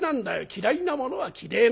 嫌いなものは嫌え